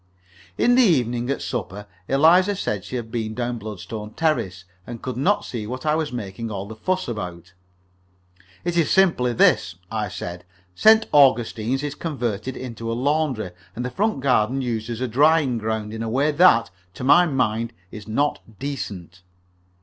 In the evening, at supper, Eliza said she had been down Bloodstone Terrace, and could not see what I was making all the fuss about. "It is simply this," I said. "St. Augustine's is converted into a laundry, and the front garden used as a drying ground in a way that, to my mind, is not decent."